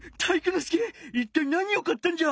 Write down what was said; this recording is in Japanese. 介いったい何を買ったんじゃ？